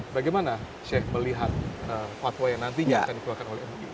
bagaimana sheikh melihat fatwa yang nantinya akan dikeluarkan oleh nu